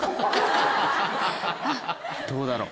どうだろう？